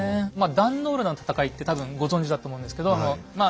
壇の浦の戦いって多分ご存じだと思うんですけどま